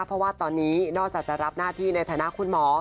เพราะว่าตอนนี้นอกจากจะรับหน้าที่ในฐานะคุณหมอ